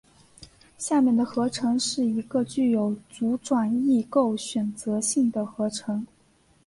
下面的合成是一个具有阻转异构选择性的合成。